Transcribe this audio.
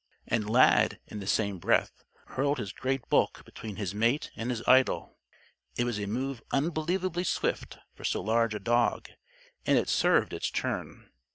And Lad, in the same breath, hurled his great bulk between his mate and his idol. It was a move unbelievably swift for so large a dog. And it served its turn.